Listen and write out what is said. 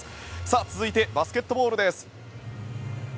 続いてバスケットボールです。